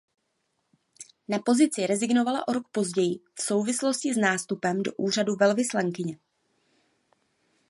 Na pozici rezignovala o rok později v souvislosti s nástupem do úřadu velvyslankyně.